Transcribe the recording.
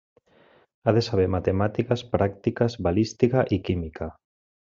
Ha de saber matemàtiques pràctiques, balística i química.